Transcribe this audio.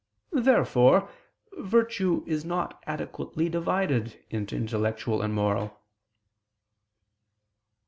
Therefore virtue is not adequately divided into intellectual and moral.